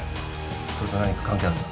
それと何か関係あるな？